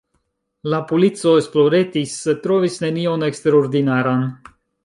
La polico esploretis, sed trovis nenion eksterordinaran.